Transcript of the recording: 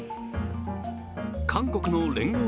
韓国の聯合